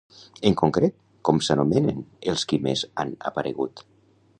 En concret, com s'anomenen els qui més han aparegut?